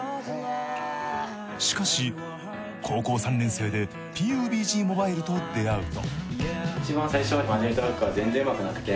しかし高校３年生でＰＵＢＧＭＯＢＩＬＥと出会うと。